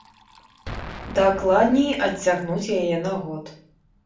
Дакладней, адцягнуць яе на год.